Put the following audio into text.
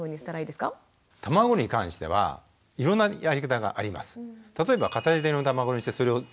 卵に関してはいろんなやり方があります。